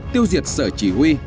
tiêu diệt sở chỉ huy